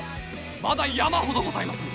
まだ山ほどございまする！